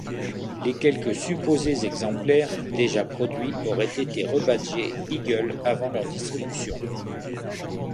Les quelques supposés exemplaires déjà produits auraient été rebadgés Eagle avant leur distribution.